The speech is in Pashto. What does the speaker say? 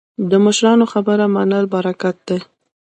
د مشرانو خبره منل برکت دی